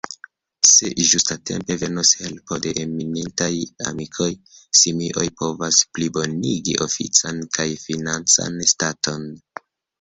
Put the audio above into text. Se ĝustatempe venos helpo de eminentaj amikoj, Simioj povos plibonigi ofican kaj financan staton.